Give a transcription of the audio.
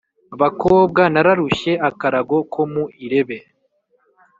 Bakobwa nararushye-Akarago ko mu irebe.